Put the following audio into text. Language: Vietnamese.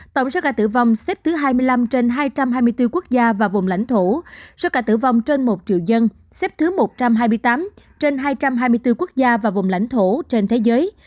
tổng số ca tử vong xếp thứ hai mươi năm trên hai trăm hai mươi bốn quốc gia và vùng lãnh thổ số ca tử vong trên một triệu dân xếp thứ một trăm hai mươi tám trên hai trăm hai mươi bốn quốc gia và vùng lãnh thổ trên thế giới